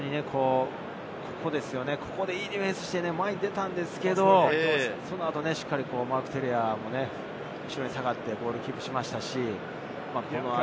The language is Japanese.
ここでいいディフェンスをして、前に出たんですけれど、その後、しっかりマーク・テレア、ボールをキープしました。